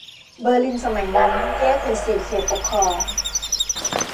เบอร์ลินสมัยนั้นแยกเป็นสี่เขตปกครอง